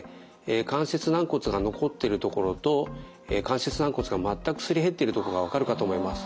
関節軟骨が残っている所と関節軟骨が全くすり減っている所が分かるかと思います。